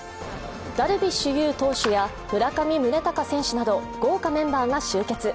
ダルビッシュ有投手や村上宗隆選手など豪華メンバーが集結。